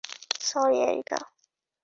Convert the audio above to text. Sorry, areca.